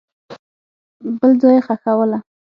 بل ځای یې ښخوله.